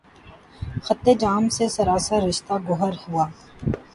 خطِ جامِ مے سراسر، رشتہٴ گوہر ہوا